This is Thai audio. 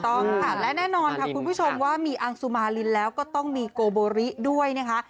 ต้องค่ะและแน่นอนค่ะคุณผู้ชมว่ามีอังสุมารินแล้วก็ต้องมีโกโบริด้วยนะคะ